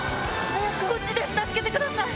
こっちです助けてください！